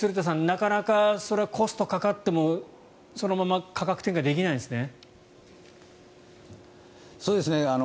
なかなかそれはコストがかかっても、そのまま価格転嫁できないですね。